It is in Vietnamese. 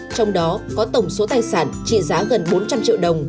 trong đó có tổng số tài sản trị giá gần bốn trăm linh triệu đồng